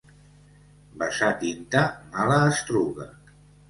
Vessar tinta, mala astruga.